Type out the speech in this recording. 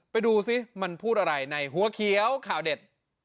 ดูสิมันพูดอะไรในหัวเขียวข่าวเด็ด